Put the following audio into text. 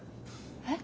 えっ？